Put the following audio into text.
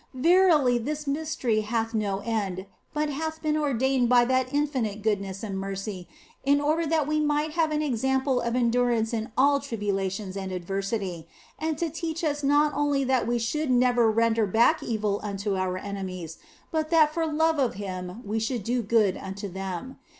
Verily, this mystery hath no end, but hath been ordained by that infinite Goodness and Mercy in order that we might have an example of endurance in all tribulations and adversity, and to teach us not only that we should never render back evil unto our enemies, but that for love of Him we should do good unto them.